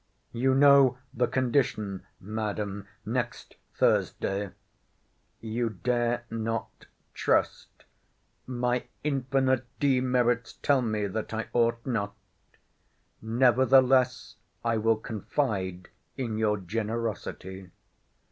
You know the condition, Madam—Next Thursday. You dare not trust—— My infinite demerits tell me, that I ought not—nevertheless I will confide in your generosity.